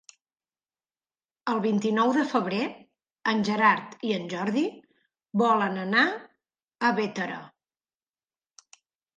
El vint-i-nou de febrer en Gerard i en Jordi volen anar a Bétera.